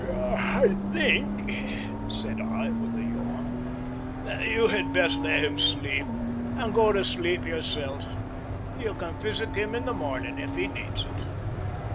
"I think," said I, with a yawn, "that you had best let him sleep, and go to sleep yourself. You can physic him in the morning if he needs it."